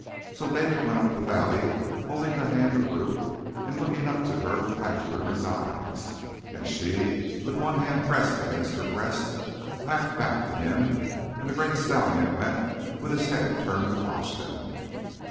So David went up the valley holding the hand of Ruth and looking up to her with laughter in his eyes, and she, with one hand pressed against her breast, laughed back to him, and the great stallion went with his head turned to watch them.